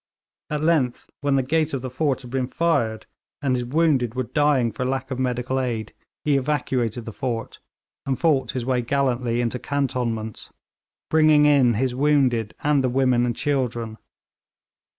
At length, when the gate of the fort had been fired, and his wounded were dying for lack of medical aid, he evacuated the fort, and fought his way gallantly into cantonments, bringing in his wounded and the women and children.